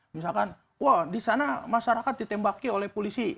misalkan wah disana masyarakat ditembaki oleh polisi